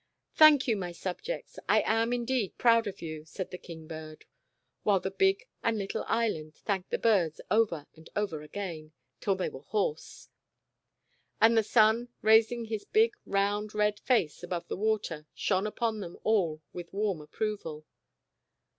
"Thank you, my subjects, I am indeed proud of you," said the King bird, while the big and little Island thanked the birds over and over again, till they were hoarse. And the sun, raising his big round, red face above the water, shone upon them all with warm approval.